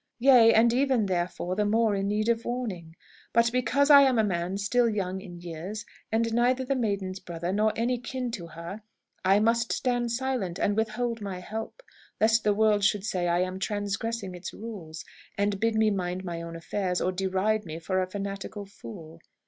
Yea, and even, therefore, the more in need of warning! But because I am a man still young in years, and neither the maiden's brother, nor any kin to her, I must stand silent and withhold my help, lest the world should say I am transgressing its rules, and bid me mind my own affairs, or deride me for a fanatical fool!